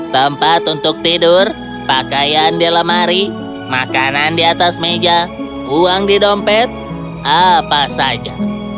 tempat untuk tidur pakaian di lemari makanan di atas meja uang di dompet apa saja